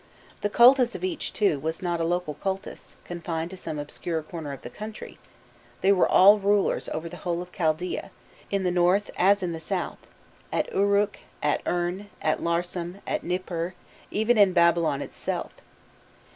The cultus of each, too, was not a local cultus, confined to some obscure corner of the country; they all were rulers over the whole of Chaldaea, in the north as in the south, at Uruk, at Urn, at Larsam, at Nipur, even in Babylon itself.